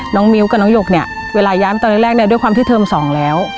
มิ้วกับน้องหยกเนี่ยเวลาย้ำตอนแรกเนี่ยด้วยความที่เทอมสองแล้ว